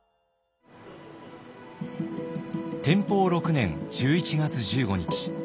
天保６年１１月１５日。